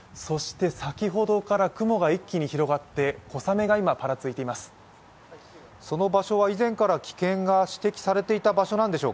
先ほどから雲が一気に広がって小雨が今ぱらついています。